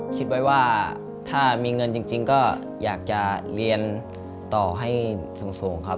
คิดไว้ว่าถ้ามีเงินจริงก็อยากจะเรียนต่อให้สูงครับ